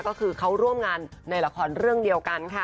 ก็คือเขาร่วมงานในละครเรื่องเดียวกันค่ะ